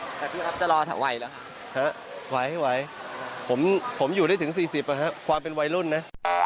แต่พี่ครับจะรอถ้าไหวหรือครับฮะไหวผมอยู่ได้ถึง๔๐นะฮะความเป็นวัยรุ่นนะ